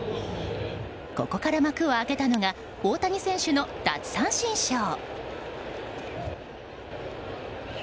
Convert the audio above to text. ここから幕を開けたのが大谷選手の奪三振ショー。